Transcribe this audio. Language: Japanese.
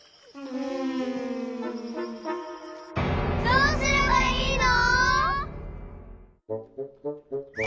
どうすればいいの！？